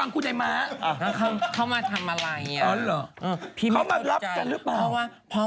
เขามารับกันหรือเปล่า